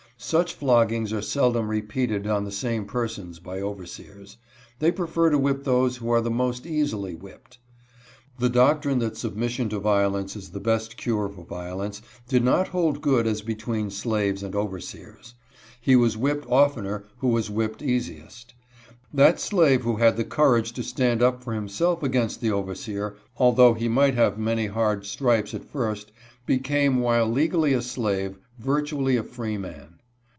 Such flog gings are seldom repeated on the same persons by over . seers. They prefer to whip those who are the most easily whipped. The doctrine that submission to violence is the best cure for violence did not hold good as between slaves and overseers. He was whipped of tener who was whipped easiest. That slave who had the courage to stand up for himself against the overseer, although he might have many hard stripes at first, became while legally a slave virtually a freeman.